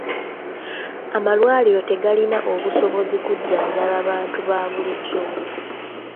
Amalwaliro tegalina obusobozi kujjanjaba bantu ba bulijjo.